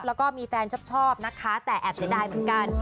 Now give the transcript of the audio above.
แล้วก็มีแฟนชอบนะคะแต่แอบเสียดายเหมือนกัน